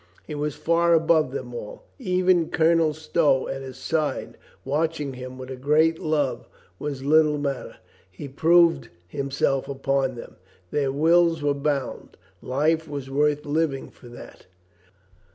He was far above them all. Even Colonel Stow at his side, watching him with a great love, was little matter. He proved himself upon them. Their wills were bound. Life was worth living for that.